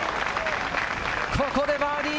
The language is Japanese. ここでバーディー！